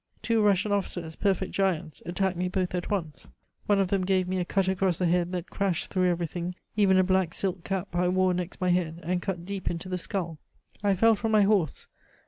Two Russian officers, perfect giants, attacked me both at once. One of them gave me a cut across the head that crashed through everything, even a black silk cap I wore next my head, and cut deep into the skull. I fell from my horse.